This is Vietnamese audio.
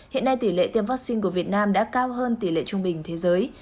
hiện nay tỷ lệ tiêm vaccine của việt nam đã cao hơn tỷ lệ trung bình thế giới